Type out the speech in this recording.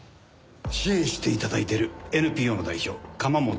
支援して頂いてるＮＰＯの代表釜本理事長です。